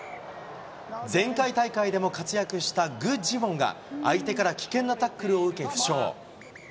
前回大会でも活躍した具智元が相手から危険なタックルを受け、負傷。